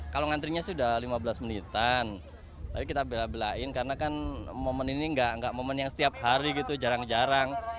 kalau ngantrinya sudah lima belas menitan tapi kita bela belain karena kan momen ini nggak momen yang setiap hari gitu jarang jarang